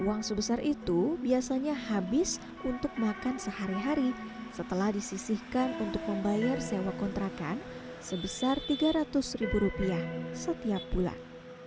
uang sebesar itu biasanya habis untuk makan sehari hari setelah disisihkan untuk membayar sewa kontrakan sebesar tiga ratus ribu rupiah setiap bulan